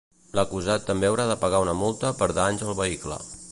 L'acusat també haurà de pagar una multa per danys al vehicle.